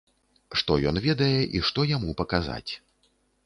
Што ён ведае і што яму паказаць.